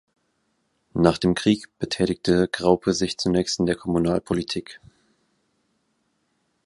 Nach dem Krieg betätigte Graupe sich zunächst in der Kommunalpolitik.